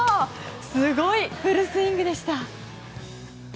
すごいフルスイングでした。